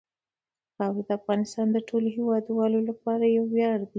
خاوره د افغانستان د ټولو هیوادوالو لپاره یو ویاړ دی.